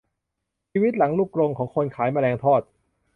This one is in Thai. ชีวิตหลังลูกกรงของคนขายแมลงทอด